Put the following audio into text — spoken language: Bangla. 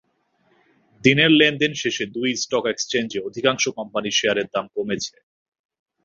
দিনের লেনদেন শেষে দুই স্টক এক্সচেঞ্জে অধিকাংশ কোম্পানির শেয়ারের দাম কমেছে।